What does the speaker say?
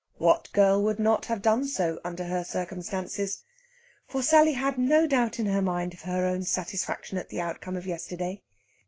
What girl would not have done so, under her circumstances? For Sally had no doubt in her mind of her own satisfaction at the outcome of yesterday.